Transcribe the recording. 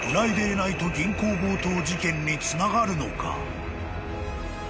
ナイト銀行強盗事件につながるのか］